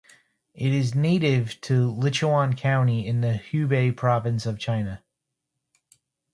It is native to Lichuan county in the Hubei province of China.